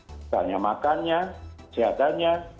tidak hanya makanya kesehatannya